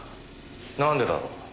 なんでだろう。